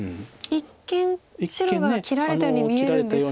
一見白が切られたように見える。